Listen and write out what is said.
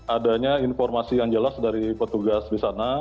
adanya informasi yang jelas dari petugas di sana